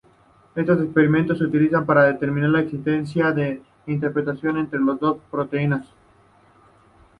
Estos experimentos se utilizan para determinar la existencia de interacción entre dos proteínas.